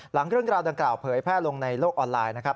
หลังเรื่องราวดังกล่าวเผยแพร่ลงในโลกออนไลน์นะครับ